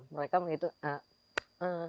mereka menghitung ha ha ha ha